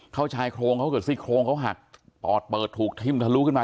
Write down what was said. ชายโครงเขาเกิดซี่โครงเขาหักปอดเปิดถูกทิ่มทะลุขึ้นมา